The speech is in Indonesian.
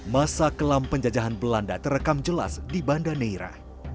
masa kelam penjajahan belanda terekam jelas di banda neira